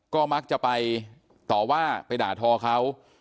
ก็มักจะไปต่อว่าไปด่าทอเขา